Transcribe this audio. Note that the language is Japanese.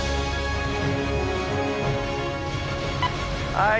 はい。